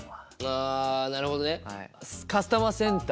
あなるほど。